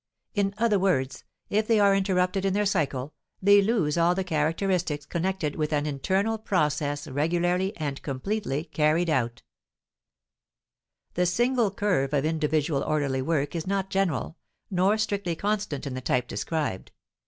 In other words, if they are interrupted in their cycle, they lose all the characteristics connected with an internal process regularly and completely carried out. The single curve of individual orderly work is not general, nor strictly constant in the type described.